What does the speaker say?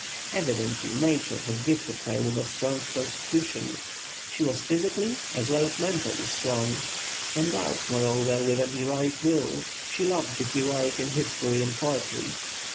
Evidently nature had gifted her with a strong constitution: she was physically as well as mentally strong. Endowed, moreover, with an heroic will, she loved the heroic in history and poetry.